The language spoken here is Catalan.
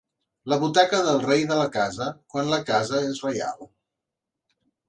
La butaca del rei de la casa, quan la casa és reial.